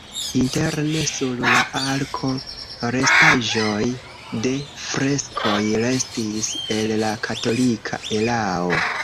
Interne sur la arko restaĵoj de freskoj restis el la katolika erao.